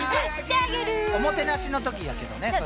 「おもてなし」の時やけどねそれ。